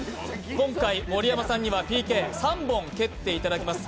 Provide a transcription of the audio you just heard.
今回、盛山さんにはＰＫ３本蹴っていただきます。